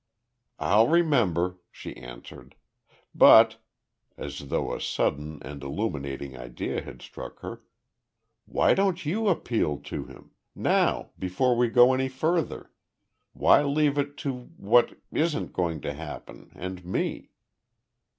"I'll remember," she answered. "But," as though a sudden and illuminating idea had struck her. "Why don't you appeal to him now, before we go any further. Why leave it to what isn't going to happen and me?"